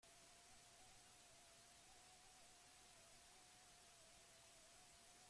Hau antolatu duenak zientoka langile behar ditu izan.